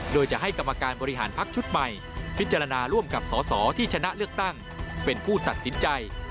โดยจะให้กรรมการบริหารพักชุดใหม่พิจารณาร่วมกับสอสอที่ชนะเลือกตั้งเป็นผู้ตัดสินใจ